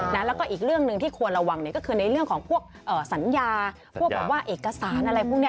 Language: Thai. แล้วก็อีกเรื่องหนึ่งที่ควรระวังก็คือในเรื่องของพวกสัญญาพวกแบบว่าเอกสารอะไรพวกนี้